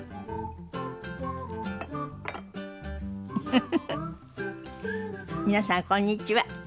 フフフフ皆さんこんにちは。